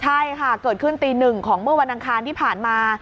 ใช่ค่ะเกิดขึ้นตีหนึ่งของเมื่อวันอังคารที่ผ่านมา